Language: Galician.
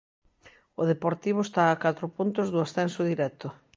O Deportivo está a catro puntos do ascenso directo.